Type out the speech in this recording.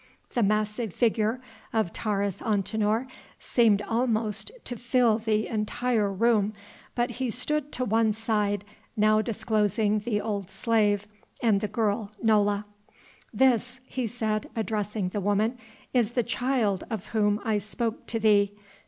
The massive figure of Taurus Antinor seemed almost to fill the entire room, but he stood to one side now disclosing the old slave and the girl Nola. "This," he said, addressing the woman, "is the child of whom I spoke to thee.